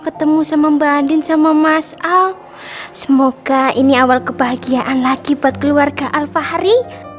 ketemu sama mbak adin sama mas al semoga ini awal kebahagiaan lagi buat keluarga alfahri